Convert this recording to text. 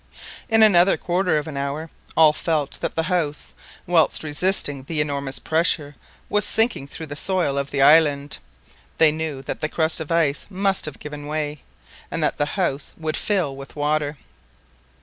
In another quarter of an hour all felt that the house, whilst resisting the enormous pressure, was sinking through the soil of the island. They knew that the crust of the ice must have given way, and that the house would fill with water!